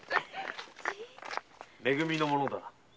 「め組」の者だな？